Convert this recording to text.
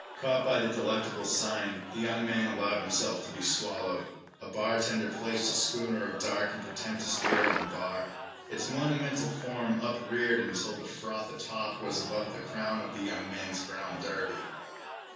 Caught by the delectable sign the young man allowed himself to be swallowed. A bartender placed a schooner of dark and portentous beer on the bar. Its monumental form upreared until the froth a top was above the crown of the young man's brown derby.